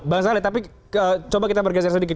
bang saleh tapi coba kita bergeser sedikit